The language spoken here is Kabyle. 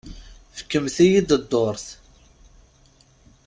Fkemt-iyi-d dduṛt.